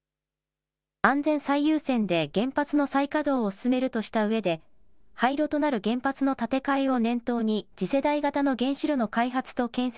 安全最優先で原発の再稼働を進めるとしたうえで、廃炉となる原発の建て替えを念頭に次世代型の原子炉の開発と建設